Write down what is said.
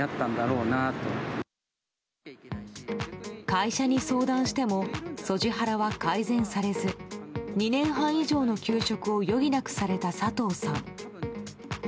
会社に相談してもＳＯＧＩハラは改善されず２年半以上の休職を余儀なくされた佐藤さん。